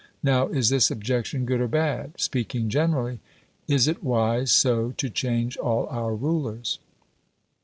Now, is this objection good or bad? Speaking generally, is it wise so to change all our rulers?